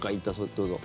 どうぞ。